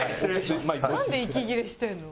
なんで息切れしてるの？